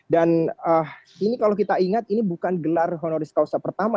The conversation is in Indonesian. dan ini kalau kita ingat ini bukan gelar honoris causa pertama